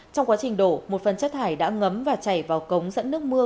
trong quá trình đổ một phần chất thải đã ngấm và chảy vào cống dẫn nước mưa